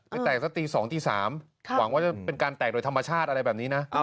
แตกสักตี๒ตี๓หวังว่าจะเป็นการแตกโดยธรรมชาติอะไรแบบนี้นะ